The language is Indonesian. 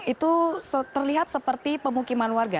itu terlihat seperti pemukiman warga